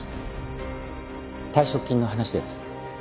退職金の話です。